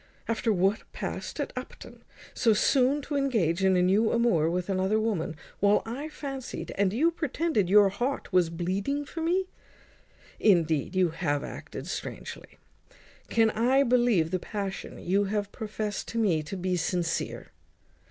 After what past at Upton, so soon to engage in a new amour with another woman, while I fancied, and you pretended, your heart was bleeding for me? Indeed, you have acted strangely. Can I believe the passion you have profest to me to be sincere?